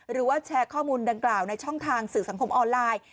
หรือว่าแชร์ข้อมูลดังกล่าวในช่องทางสื่อสังคมออนไลน์